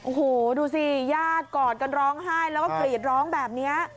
โอ้โหดูสิญาติกอดกันร้องไห้แล้วก็กรีดร้องแบบนี้